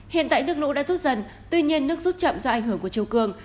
hiện tại nước lũ đã rút dần tuy nhiên nước rút chậm do ảnh hưởng của chiều cường